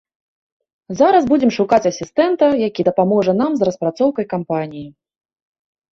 Зараз будзем шукаць асістэнта, які дапаможа нам з распрацоўкай кампаніі.